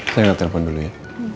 saya mau telepon dulu ya